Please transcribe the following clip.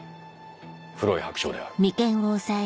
黒い白鳥である。